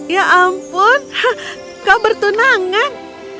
ya ampun kau bertunangan